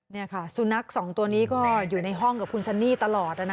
นี่ค่ะสุนัขสองตัวนี้ก็อยู่ในห้องกับคุณซันนี่ตลอด